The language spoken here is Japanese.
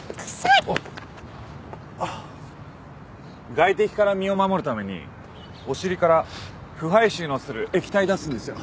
外敵から身を守るためにお尻から腐敗臭のする液体出すんですよ。